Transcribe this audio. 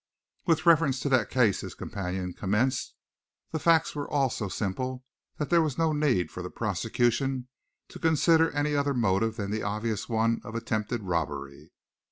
"With reference to that case," his companion commenced, "the facts were all so simple that there was no need for the prosecution to consider any other motive than the obvious one of attempted robbery.